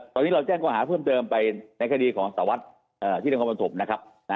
ตอนนี้เราแจ้งข้อหาเพิ่มเติมไปในคดีของสวรรค์ที่ดังความประถมนะครับ